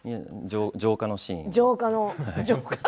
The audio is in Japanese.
浄化のシーン。